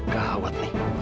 hah gawat nih